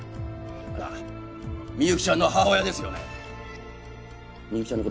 あなた美雪ちゃんの母親ですよね？